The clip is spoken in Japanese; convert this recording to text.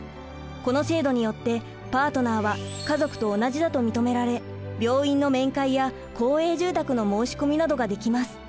この制度によってパートナーは家族と同じだと認められ病院の面会や公営住宅の申し込みなどができます。